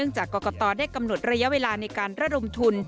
จากกรกตได้กำหนดระยะเวลาในการระดมทุน